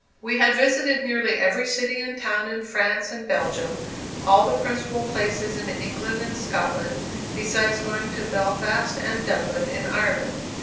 We had visited nearly every city and town in France and Belgium, all the principal places in England and Scotland, besides going to Belfast and Dublin, in Ireland.